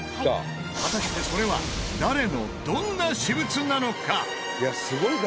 果たしてそれは誰のどんな私物なのか！？